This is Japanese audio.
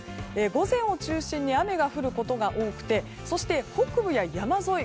午前を中心に雨が降ることが多くてそして、北部や山沿い